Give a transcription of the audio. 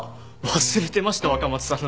忘れてました若松さんのこと。